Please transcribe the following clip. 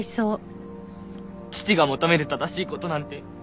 父が求める正しい事なんて